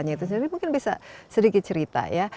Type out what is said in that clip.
jadi mungkin bisa sedikit cerita ya